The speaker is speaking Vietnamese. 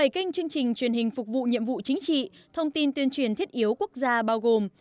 bảy kênh chương trình truyền hình phục vụ nhiệm vụ chính trị thông tin tuyên truyền thiết yếu quốc gia bao gồm